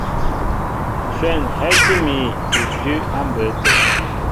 Shwɛ̂n hɛ́tí mi udʉ́ á mbə̌ tə.